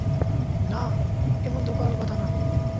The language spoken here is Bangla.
না, এমন তো করার কথা না।